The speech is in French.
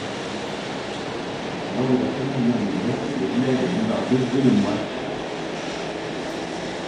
Lors de la Première Guerre mondiale, le village est bombardé dès le mois d'.